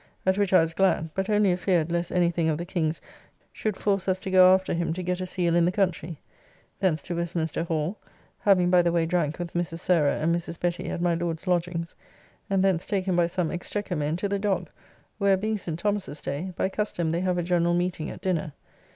At which I was glad, but only afeard lest any thing of the King's should force us to go after him to get a seal in the country. Thence to Westminster Hall (having by the way drank with Mrs. Sarah and Mrs. Betty at my Lord's lodgings), and thence taken by some Exchequer men to the Dogg, where, being St. Thomas's day, by custom they have a general meeting at dinner.